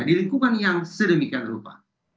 di lingkungan yang sedemikian rupa